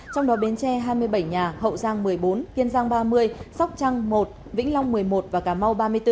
trong đó bến tre hai mươi bảy nhà hậu giang một mươi bốn kiên giang ba mươi sóc trăng một vĩnh long một mươi một và cà mau ba mươi bốn